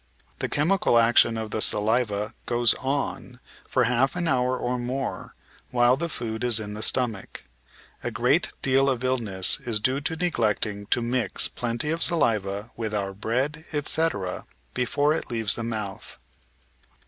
The chemical action of the saliva goes on, for half an hour or more, while the food is in the stomach. A great deal of illness is due to neglecting to mix plenty of saliva with our bread, etc., before it leaves the mouth.